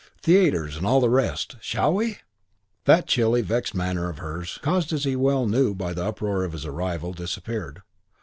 Theatres and all the rest of it. Shall we?" That chilly, vexed manner of hers, caused as he well knew by the uproar of his arrival, disappeared.